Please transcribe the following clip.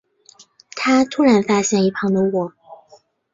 他突然发现一旁的我